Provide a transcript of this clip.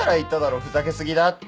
ふざけ過ぎだって。